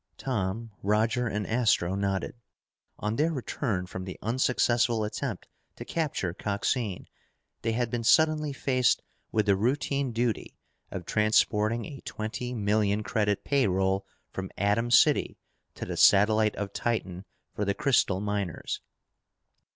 Tom, Roger, and Astro nodded. On their return from the unsuccessful attempt to capture Coxine, they had been suddenly faced with the routine duty of transporting a twenty million credit pay roll from Atom City to the satellite of Titan for the crystal miners.